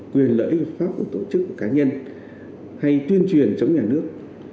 quyền lợi ích hợp pháp của tổ chức cá nhân hay tuyên truyền chống nhà nước